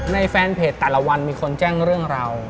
แฟนเพจแต่ละวันมีคนแจ้งเรื่องราว